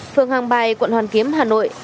phường hàng bài quận hoàn kiếm hà nội